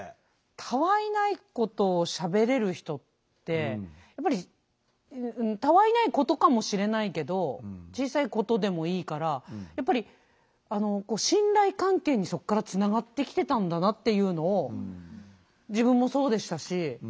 たわいないことをしゃべれる人ってたわいないことかもしれないけど小さいことでもいいからやっぱり信頼関係にそこからつながってきてたんだなっていうのを自分もそうでしたし。